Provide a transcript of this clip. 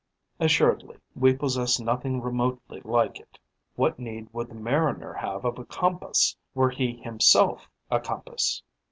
Assuredly we possess nothing remotely like it. What need would the mariner have of a compass, were he himself a compass?